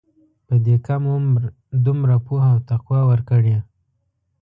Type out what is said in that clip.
په دې کم عمر دومره پوهه او تقوی ورکړې.